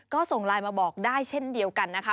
ก็ส่งไลน์มาบอกได้เช่นเดียวกันนะคะ